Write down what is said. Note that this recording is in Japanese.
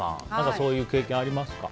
そういう経験ありますか。